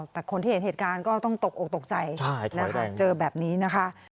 แต่คนที่เห็นเหตุการณ์ก็ต้องตกออกตกใจนะคะเจอแบบนี้นะคะ